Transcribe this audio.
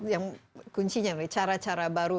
yang kuncinya nih cara cara baru